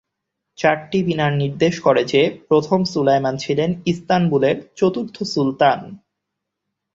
চারটি মিনার নির্দেশ করে যে প্রথম সুলায়মান ছিলেন ইস্তানবুলের চতুর্থ সুলতান।